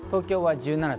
東京は１７度。